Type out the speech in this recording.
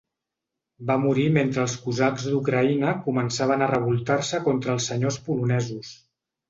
Va morir mentre els cosacs d'Ucraïna començaven a revoltar-se contra els senyors polonesos.